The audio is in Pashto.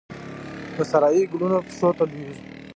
د سارايي ګلونو پښو ته لویږې